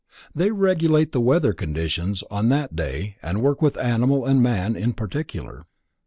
They regulate the weather conditions on that day and work with animal and man in particular.